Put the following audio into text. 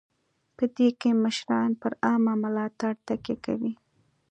په دې کې مشران پر عامه ملاتړ تکیه کوي.